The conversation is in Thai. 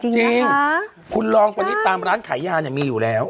จริงคุณลองวันนี้ตามร้านขายยาเนี่ยมีอยู่แล้ว